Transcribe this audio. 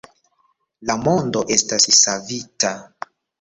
- La mondo estas savita